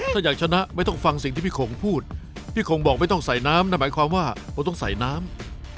ถ้าอยากชนะไม่ต้องฟังสิ่งที่พี่โขงพูดพี่โขงบอกไม่ต้องใส่น้ำนั่นหมายความว่าผมต้องใส่น้ำ